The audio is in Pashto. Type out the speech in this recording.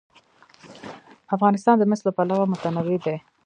افغانستان د مس له پلوه متنوع دی.